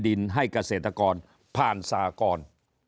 ดินให้กเศรษฐกรผ่านสากร